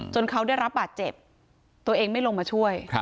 เขาได้รับบาดเจ็บตัวเองไม่ลงมาช่วย